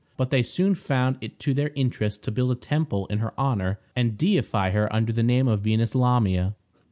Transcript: But they soon found it to their interest to build a temple in her honor, and deify her under the name of Venus Lamia.